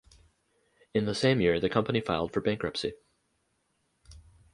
In the same year the company filed for bankruptcy.